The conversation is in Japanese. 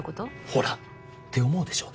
ほら。って思うでしょ？